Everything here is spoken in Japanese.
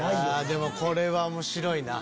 でもこれは面白いな。